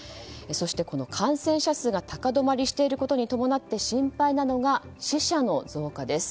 この感染者数が高止まりしていることに伴って心配なのが死者の増加です。